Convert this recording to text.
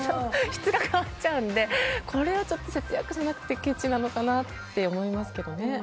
質が変わっちゃうのでこれは節約じゃなくてけちなのかなって思いますけどね。